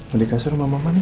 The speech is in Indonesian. mau dikasih rumah mama nih